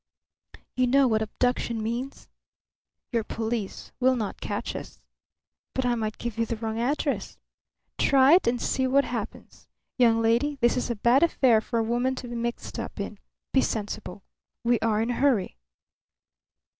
"You know what abduction means?" "Your police will not catch us." "But I might give you the wrong address." "Try it and see what happens. Young lady, this is a bad affair for a woman to be mixed up in. Be sensible. We are in a hurry."